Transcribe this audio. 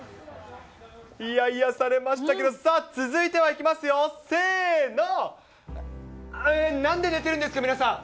いや、癒やされましたけど、さあ、続いてはいきますよ、せーの、えー、なんで寝てるんですか、皆さん。